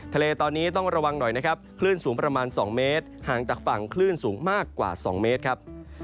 ทะเลตอนนี้ต้องระวังหน่อยนะครับคลื่นสูงประมาณ๒เมตรห่างจากฝั่งคลื่นสูงมากกว่า๒เมตรครับ